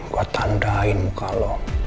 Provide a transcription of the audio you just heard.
gua tandai duk al